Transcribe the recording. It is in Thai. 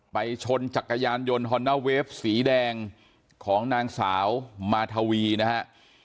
ชนจักรยานยนต์ฮอนด้าเวฟสีแดงของนางสาวมาทวีนะฮะ